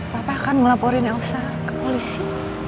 bapak akan melaporin elsa ke polisi